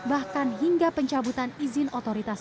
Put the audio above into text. bahkan hingga pencabutan izin otoritas